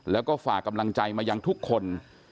แล้วก็ฝากกำลังใจมายังทุกคน